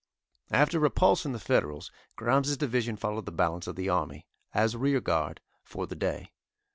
After repulsing the Federals, Grimes' division followed the balance of the army, as rear guard, for the day.